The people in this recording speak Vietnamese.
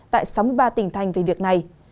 tại sáu mươi ba tỉnh thành về việc này